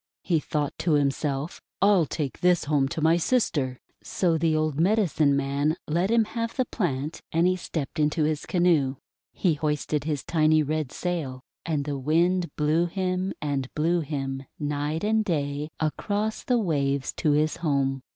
He thought to himself: 'I'll take this home to my sister." So the old Medicine Man let him have the THE POTATO CHOOSING BOY 359 plant, and he stepped into his canoe. He hoisted his tiny red sail, and the Wind blew him, and blew him, night and day, across the waves to his home.